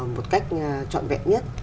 một cách trọn vẹn nhất